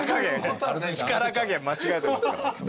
力加減間違えてますから。